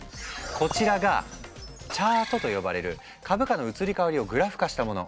こちらが「チャート」と呼ばれる株価の移り変わりをグラフ化したもの。